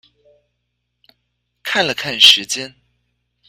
看了看時間